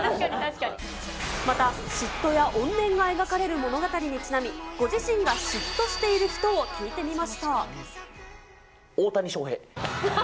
また、嫉妬や怨念が描かれる物語にちなみ、ご自身が嫉妬している人を聞大谷翔平。